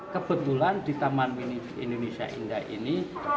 kebetulan di taman indonesia indah ini